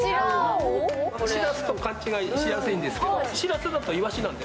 しらすと勘違いしやすいんですけど、しらすだといわしなので。